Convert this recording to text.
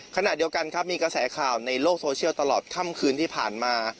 ขณะเดียวกันครับมีกระแสข่าวในโลกโซเชียลตลอดค่ำคืนที่ผ่านมา